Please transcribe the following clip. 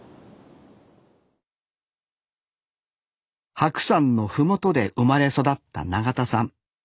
白山の麓で生まれ育った永田さん。